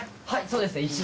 はいそうですね。